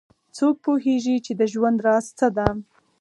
څوک پوهیږي چې د ژوند راز څه ده